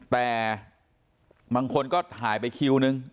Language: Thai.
แต่บางคนก็ถ่ายไปคิวนึง